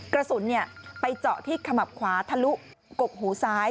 กระสุนไปเจาะที่ขมับขวาทะลุกกหูซ้าย